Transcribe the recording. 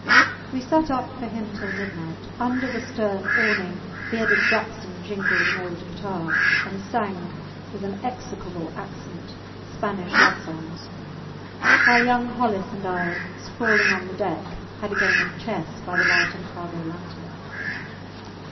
We sat up for him till midnight. Under the stern awning bearded Jackson jingled an old guitar and sang, with an execrable accent, Spanish love songs; while young Hollis and I, sprawling on the deck, had a game of chess by the light of a cargo lantern.